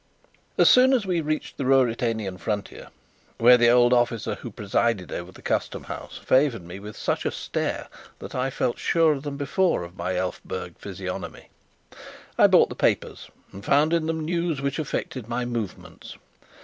As soon as we reached the Ruritanian frontier (where the old officer who presided over the Custom House favoured me with such a stare that I felt surer than before of my Elphberg physiognomy), I bought the papers, and found in them news which affected my movements.